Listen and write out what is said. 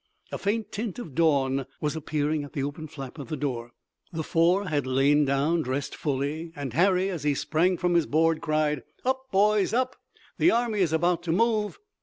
A faint tint of dawn was appearing at the open flap of the door. The four had lain down dressed fully, and Harry, as he sprang from his board, cried: "Up, boys, up! The army is about to move!"